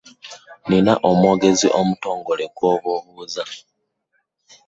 Nnina omwogezi omutongole gw'oba obuuza.